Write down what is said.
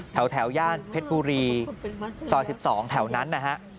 แถวย่านเพชรบุรีซอย๑๒แถวนั้นนะฮะ